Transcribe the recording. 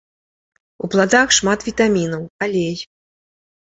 У пладах шмат вітамінаў, алей.